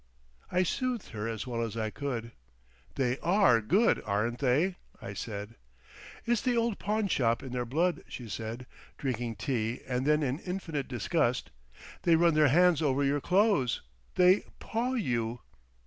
I soothed her as well as I could. "They are Good aren't they?" I said. "It's the old pawnshop in their blood," she said, drinking tea; and then in infinite disgust, "They run their hands over your clothes—they paw you."